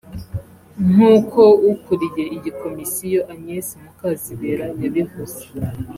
nk’uko ukuriye iyi komisiyo Agnes Mukazibera yabivuze